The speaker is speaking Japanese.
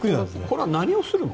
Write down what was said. これは何をするの？